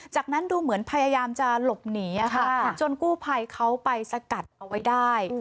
จากนั้นดูเหมือนพยายามจะหลบหนีจนกู้ภัยเขาไปสกัดเอาไว้ได้